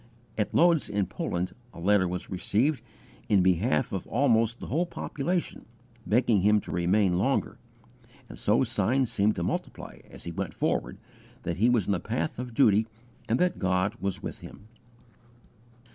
At Lodz in Poland, a letter was received, in behalf of almost the whole population begging him to remain longer; and so signs seemed to multiply, as he went forward, that he was in the path of duty and that God was with him.